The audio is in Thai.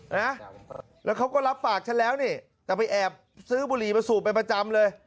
นะแล้วเขาก็รับฝากฉันแล้วนี่แต่ไปแอบซื้อบุหรี่มาสูบไปประจำเลย